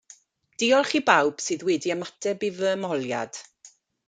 Diolch i bawb sydd wedi ymateb i fy ymholiad.